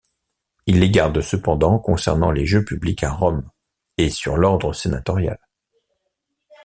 Il les garde cependant concernant les jeux publics à Rome et sur l’ordre sénatorial.